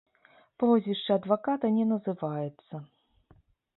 Прозвішча адваката не называецца.